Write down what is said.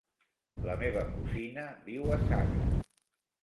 La meva cosina viu a Sagra.